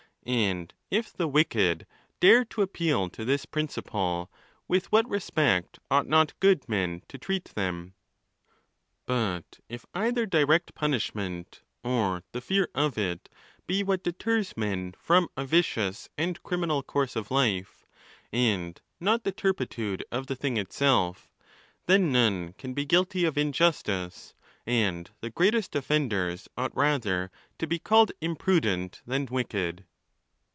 And if the wicked dare to appeal to this principle, with what respect ought not good men to treat them ? But if either direct punishment, or the fear of it, be what 'deters men from a vicious and criminal course of life, and not the turpitude of the thing itself, then none can be guilty of injustice, and the greatest offenders ought rather to be called imprudent than wicked.